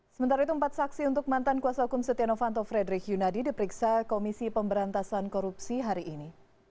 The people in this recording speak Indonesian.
sementara itu empat saksi untuk mantan kuasa hukum setia novanto frederick yunadi diperiksa komisi pemberantasan korupsi hari ini